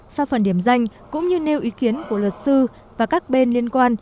sau phần điểm danh cũng như nêu ý kiến của luật sư và các bên liên quan